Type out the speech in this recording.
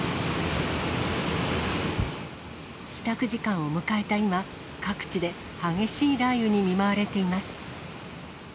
帰宅時間を迎えた今、各地で激しい雷雨に見舞われています。